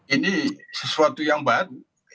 ini sesuatu yang baru